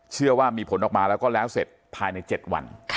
เชื่อว่ามีผลออกมาแล้วก็แล้วเสร็จภายใน๗วัน